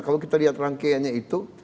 kalau kita lihat rangkaiannya itu